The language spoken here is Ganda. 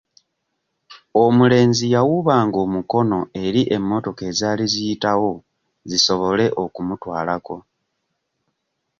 Omulenzi yawuubanga omukono eri emmotoka ezaali eziyitawo zisobole okumutwalako.